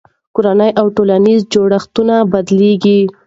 کورنۍ او ټولنیز جوړښتونه بدلېږي.